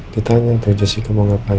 ditanya apa jessica mau ngapain